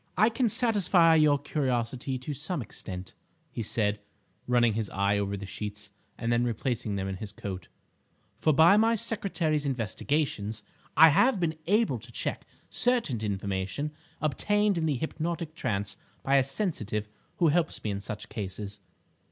"I can satisfy your curiosity to some extent," he said, running his eye over the sheets, and then replacing them in his coat; "for by my secretary's investigations I have been able to check certain information obtained in the hypnotic trance by a 'sensitive' who helps me in such cases.